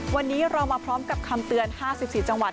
วันนี้เรามาพร้อมกับคำเตือนห้าสิบสี่จังหวัด